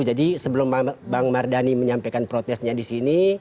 jadi sebelum bang mardhani menyampaikan protesnya di sini